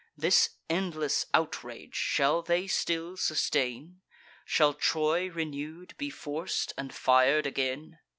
This endless outrage shall they still sustain? Shall Troy renew'd be forc'd and fir'd again?